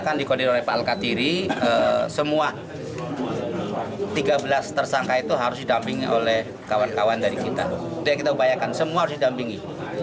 langkah kedua penangguhan dari kita itu yang kita upayakan semua harus didampingi